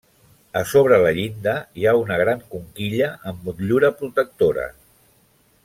A sobre la llinda hi ha una gran conquilla amb motllura protectora.